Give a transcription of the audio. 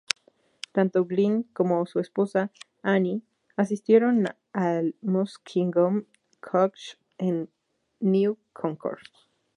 Tanto Glenn como su esposa, Annie, asistieron al Muskingum College en New Concord.